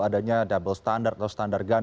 adanya double standard atau standard gun